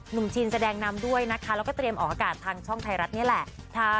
ชินแสดงนำด้วยนะคะแล้วก็เตรียมออกอากาศทางช่องไทยรัฐนี่แหละ